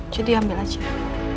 jadi ambil aja